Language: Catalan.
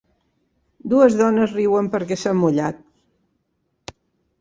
Dues dones riuen perquè s'han mullat.